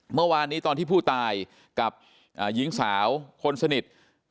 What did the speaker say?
เมื่อวานนี้ตอนที่ผู้ตายกับหญิงสาวคนสนิท